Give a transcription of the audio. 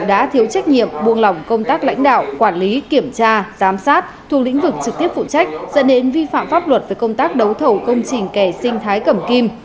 đã thiếu trách nhiệm buông lỏng công tác lãnh đạo quản lý kiểm tra giám sát thuộc lĩnh vực trực tiếp phụ trách dẫn đến vi phạm pháp luật về công tác đấu thầu công trình kẻ sinh thái cẩm kim